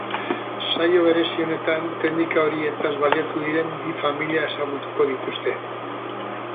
Saio berezi honetan teknika horietaz baliatu diren bi familia ezagutuko dituzte.